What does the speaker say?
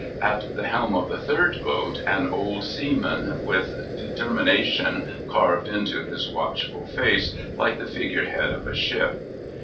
At the helm of the third boat, an old seaman, with determination carved into his watchful face, like the figure head of a ship.